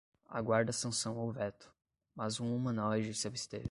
Aguarda sanção ou veto, mas um humanoide se absteve